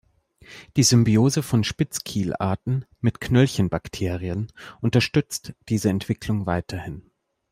Die Symbiose von Spitzkiel-Arten mit Knöllchenbakterien unterstützt diese Entwicklung weiterhin.